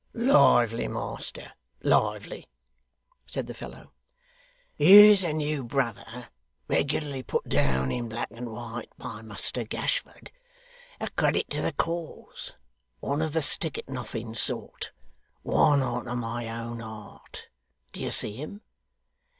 'Lively, master, lively,' said the fellow. 'Here's a new brother, regularly put down in black and white by Muster Gashford; a credit to the cause; one of the stick at nothing sort; one arter my own heart. D'ye see him?